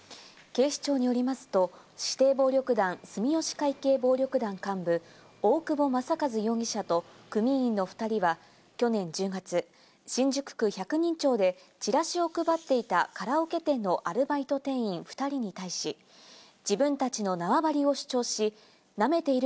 警視庁によりますと、指定暴力団・住吉会系暴力団幹部、大久保雅一容疑者と組員の２人は去年１０月、新宿区百人町でチラシを配っていたカラオケ店のアルバイト店員２関東のお天気です。